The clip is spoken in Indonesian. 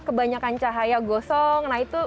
kebanyakan cahaya gosong nah itu